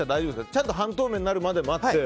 ちゃんと半透明になるまで待って。